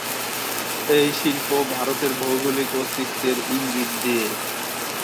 এই শিল্প ভারতের ভৌগোলিক অস্তিত্বের ইঙ্গিত দিয়।